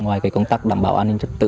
ngoài công tác đảm bảo an ninh chất tự